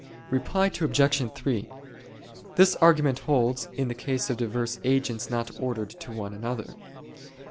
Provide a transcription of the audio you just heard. Reply Obj. 3: This argument holds in the case of diverse agents not ordered to one another.